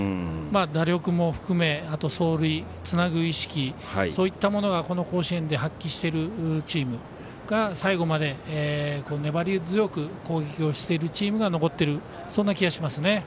打力も含め、あと走塁つなぐ意識、そういったものがこの甲子園で発揮しているチームが最後まで粘り強く攻撃をしているチームが残っているそんな気がしますね。